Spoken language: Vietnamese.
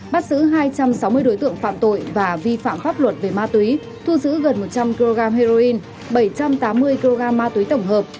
bắt giữ hai trăm sáu mươi đối tượng phạm tội và vi phạm pháp luật về ma túy thu giữ gần một trăm linh kg heroin bảy trăm tám mươi kg ma túy tổng hợp